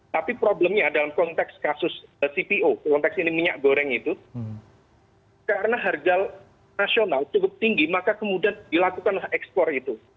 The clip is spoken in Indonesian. tapi problemnya dalam konteks kasus cpo konteks ini minyak goreng itu karena harga nasional cukup tinggi maka kemudian dilakukanlah ekspor itu